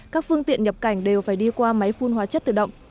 các phương tiện nhập cảnh đều phải đi qua máy phun hóa chất tự động